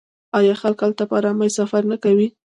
آیا خلک هلته په ارامۍ سفر نه کوي؟